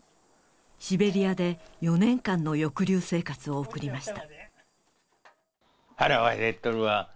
シベリアで４年間の抑留生活を送りました